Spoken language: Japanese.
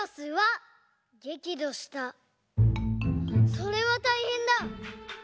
それはたいへんだ！